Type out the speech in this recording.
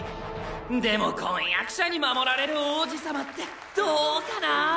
でも婚約者に守られる王子様ってどうかなぁ？